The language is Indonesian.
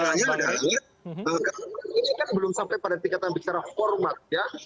ini kan belum sampai pada tingkatan bicara format ya